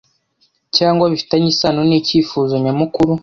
cyangwa bifitanye isano nicyifuzo nyamukuru